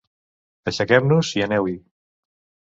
Aixequem-nos i aneu-hi!